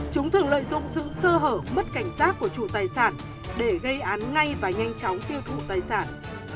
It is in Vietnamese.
chúng thường lợi dụng sự sơ hở mất cảnh giác của chủ tài sản để gây án ngay và nhanh chóng tiêu thụ tài sản